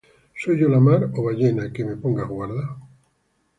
¿Soy yo la mar, ó ballena, Que me pongas guarda?